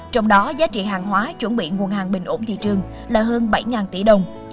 trong đó giá trị hàng hóa chuẩn bị nguồn hàng bình ổn thị trường là hơn bảy tỷ đồng